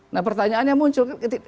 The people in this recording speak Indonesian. nah pertanyaannya muncul